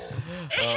えっ！